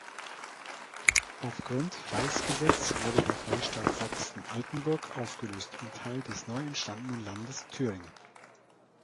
Aufgrund Reichsgesetz wurde der Freistaat Sachsen-Altenburg aufgelöst und Teil des neu entstandenen Landes Thüringen.